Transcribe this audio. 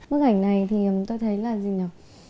bức ảnh này thì tôi thấy là gì nhỉ